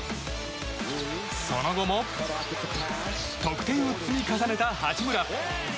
その後も得点を積み重ねた八村。